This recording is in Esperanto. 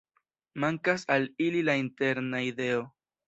Mankas al ili la interna ideo.